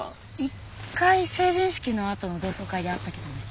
一回成人式のあとの同窓会で会ったけどね。